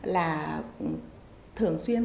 là thường xuyên